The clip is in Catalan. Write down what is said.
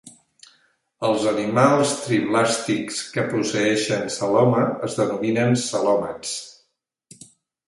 Els animals triblàstics que posseeixen celoma es denominen celomats.